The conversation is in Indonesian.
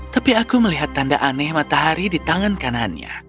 tapi aku melihat tanda aneh matahari di tangan kanannya